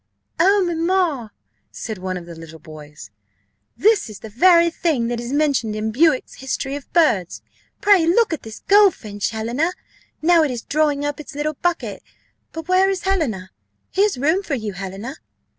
"Oh, mamma!" said one of the little boys, "this is the very thing that is mentioned in Bewick's History of Birds. Pray look at this goldfinch, Helena, now it is drawing up its little bucket but where is Helena? here's room for you, Helena."